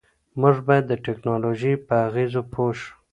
موږ باید د ټیکنالوژۍ په اغېزو پوه شو.